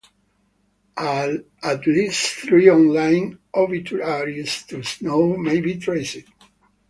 At least three online obituaries to Snow may be traced.